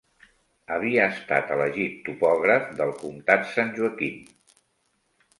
Havia estat elegit topògraf del comtat San Joaquin.